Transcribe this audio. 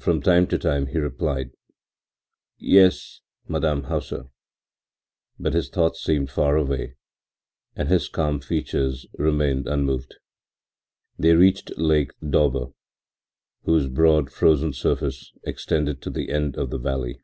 From time to time he replied: “Yes, Madame Hauser,” but his thoughts seemed far away and his calm features remained unmoved. They reached Lake Daube, whose broad, frozen surface extended to the end of the valley.